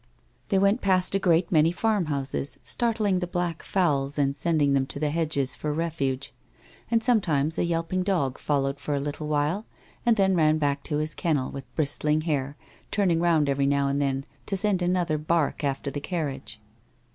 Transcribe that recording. They went past a great many farm houses startling the black fowls and sending them to the hedges for refuge, and sometimes a yelping dog followed for a little while and then ran back to his kennel with bristling hair, turning round every now and then to send another bark after the carriage.